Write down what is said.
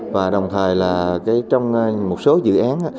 và đồng thời là trong một số dự án